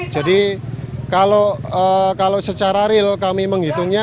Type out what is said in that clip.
jadi kalau secara real kami menghitungnya